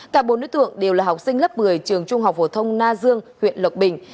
cả bốn đối tượng đều là học sinh lớp một mươi trường trung học phổ thông na dương huyện lộc bình